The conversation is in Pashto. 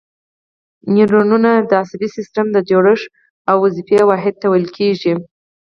نیورونونه د عصبي سیستم د جوړښت او دندې واحد ته ویل کېږي.